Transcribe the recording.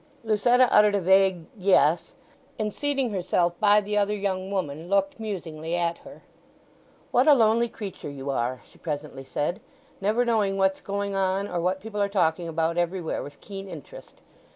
Lucetta uttered a vague "Yes," and seating herself by the other young woman looked musingly at her. "What a lonely creature you are," she presently said; "never knowing what's going on, or what people are talking about everywhere with keen interest.